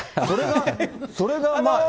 それが。